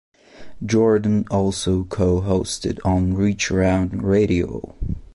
Jordan also co-hosted on "Reach Around Radio".